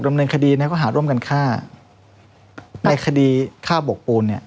ดำเนินคดีในข้อหาร่วมกันฆ่าในคดีฆ่าบกปูนเนี่ย